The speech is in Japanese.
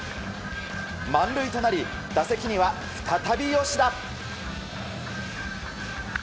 満塁となり打席には再び吉田。